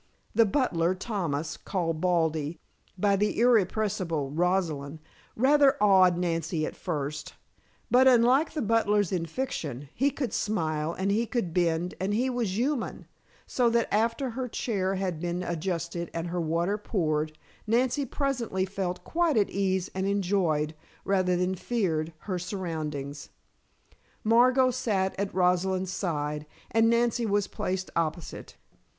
The butler, Thomas, called Baldy, by the irrepressible Rosalind, rather awed Nancy at first, but, unlike the butlers in fiction, he could smile, and he could bend and he was human, so that after her chair had been adjusted and her water poured, Nancy presently felt quite at ease and enjoyed, rather than feared, her surroundings. Margot sat at Rosalind's side and Nancy was placed opposite.